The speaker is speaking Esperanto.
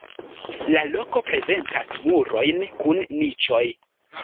La loko prezentas murojn kun niĉoj.